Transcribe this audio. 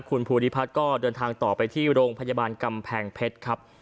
คุณภูริพัฒน์ก็เดินทางต่อไปที่โรงพยาบาลกำแพงเพชรครับ